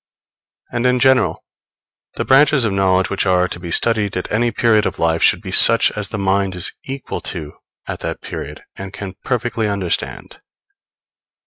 And in general, the branches of knowledge which are to be studied at any period of life should be such as the mind is equal to at that period and can perfectly understand.